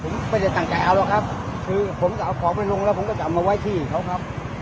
ผมไม่ได้ตั้งใจเอาหรอกครับคือผมจะเอาของไปลงแล้วผมก็จะเอามาไว้ที่เขาครับ